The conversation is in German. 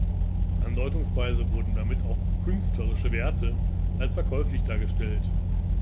Andeutungsweise wurden damit auch „künstlerische Werte“ als verkäuflich dargestellt.